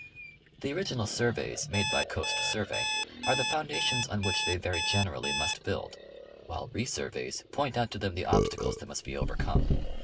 The original sur veys made by Coast Survey are the foundations on which they very generally must build, while re surveys point out to them the obstacles that must be overcome.